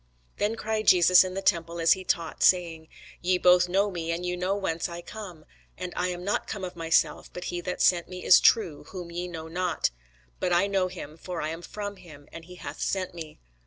Then cried Jesus in the temple as he taught, saying, Ye both know me, and ye know whence I am: and I am not come of myself, but he that sent me is true, whom ye know not. But I know him: for I am from him, and he hath sent me.